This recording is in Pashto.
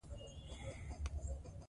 له شهپر څخه یې غشی دی جوړ کړی